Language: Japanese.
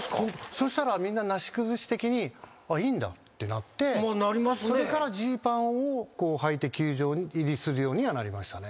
そしたらみんななし崩し的にあっいいんだってなってそれからジーパンをはいて球場入りするようにはなりましたね。